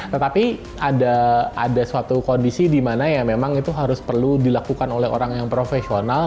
tetapi ada suatu kondisi dimana ya memang itu harus perlu dilakukan oleh orang yang profesional